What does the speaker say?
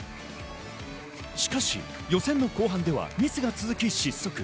しかし予選の後半ではミスが続き失速。